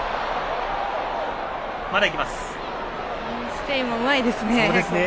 スペインもうまいですね。